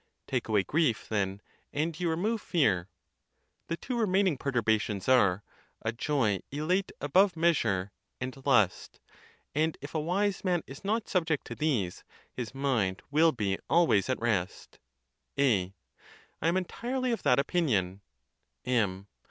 Take away grief, then, and you remove fear. . The two remaining perturbations are, a joy elate above measure, and lust; and if a wise man is not subject to these, his mind will be always at rest. A. Tam entirely of that opinion. M.